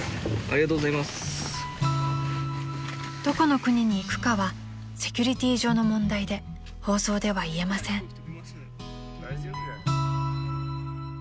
［どこの国に行くかはセキュリティー上の問題で放送では言えません］